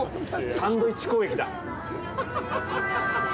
サンドイッチ攻撃だ。